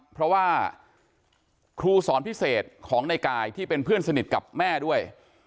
เพราะว่าครูสอนพิเศษของในกายที่เป็นเพื่อนสนิทกับแม่ด้วย